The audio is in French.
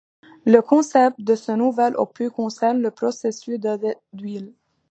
Le concept de ce nouvel opus concerne le processus de deuil.